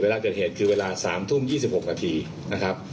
เวลาเกิดเหตุคือเวลา๓ทุ่ม๒๖นาทีนะครับ